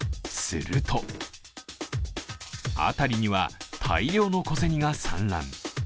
すると辺りには大量の小銭が散乱。